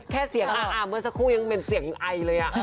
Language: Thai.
แค่เสียงอ่าเมื่อสักครู่ยังเป็นเสียงไอเลย